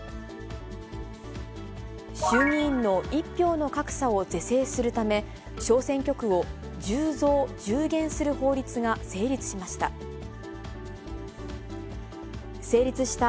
衆議院の１票の格差を是正するため、小選挙区を１０増１０減する法律が成立しました。